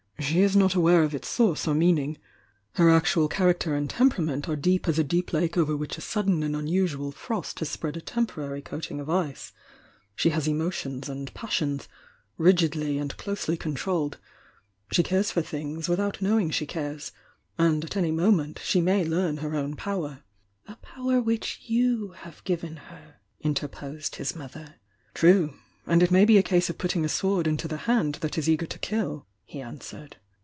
"She is not aware of its source or meaning. Her actual character and tem perament are deep as a deep lake over which a sud den and unusual frost has spread a temporary coat ing of ice. She has emotions and passions— rigidly and closely controlled. She care., for things, with out knowing she cares. And at any moment she may learn her own jjower " "A power which you have given her," mterposed his mother. "True,— and it may be a case of puttmg a sword into the hand that is eager to kill," he answered.